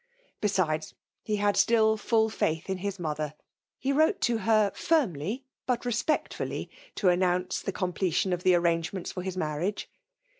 Besides, he had still fiiA iaith in his mother. He wrote to h^ Smly, but respectfully, to announce the com pletbtt of the arrangements for his maniaga.